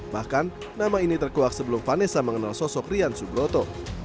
bahkan nama ini terkuak sebelum vanessa mengenal sosok rian subroto